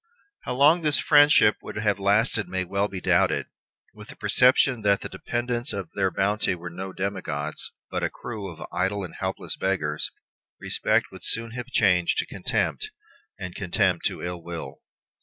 How long this friendship would have lasted may well be doubted. With the perception that the dependants on their bounty were no demigods, but a crew of idle and helpless beggars, respect would soon have changed to contempt, and contempt to ill will.